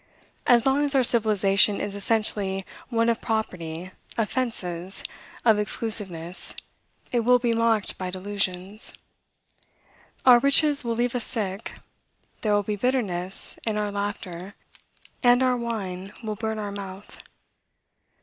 As long as our civilization is essentially one of property, of fences, of exclusiveness, it will be mocked by delusions. Our riches will leave us sick; there will be bitterness in our laughter; and our wine will burn our mouth.